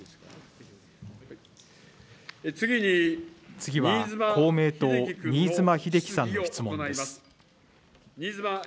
次は公明党、新妻秀規さんの質問です。